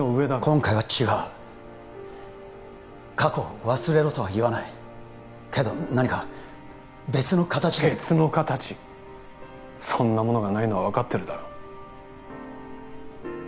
今回は違う過去を忘れろとはいわないけど何か別の形で別の形？そんなものがないのは分かってるだろ